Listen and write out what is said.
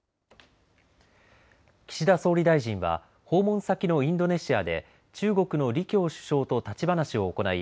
岸田総理大臣は訪問先のインドネシアで中国の李強首相と立ち話を行い